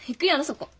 そこ。